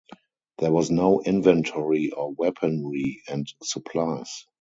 There was no inventory of weaponry and supplies.